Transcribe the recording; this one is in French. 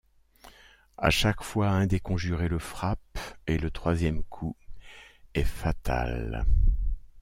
À chaque fois un des conjurés le frappe et le troisième coup est fatal.